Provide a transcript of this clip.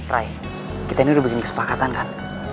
ray kita ini udah bikin kesepakatan kan